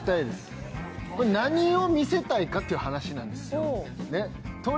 何を見せたいかって話なんですよ。